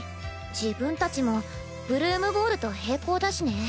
自分たちも「ブルームボール」と並行だしね。